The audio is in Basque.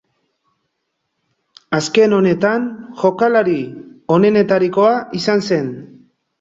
Azken honetan, jokalari onenetarikoa izan zen.